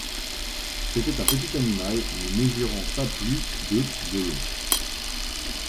C'était un petit animal ne mesurant pas plus de de long.